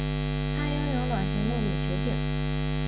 它拥有卵形的伪球茎。